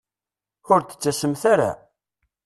Ur d-tettasemt ara?